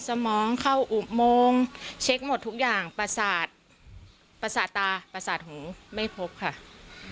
คือน้ำต้องได้สัมภัยด้ว่ามันเปิดแล้วนะครับเฆ็คหมดทุกอย่าง